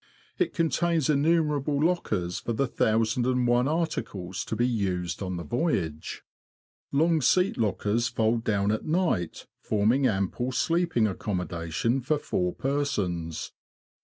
It contains innumerable lockers for the thousand and one articles to be used on the voyage. Long seat lockers fold down at night, forming ample sleeping accommodation for four persons.